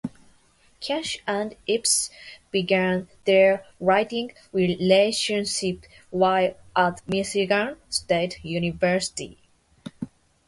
Cash and Epps began their writing relationship while at Michigan State University.